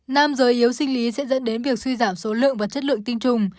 nam giới yếu sinh lý sẽ dẫn đến việc suy giảm số lượng và chất lượng tinh trùng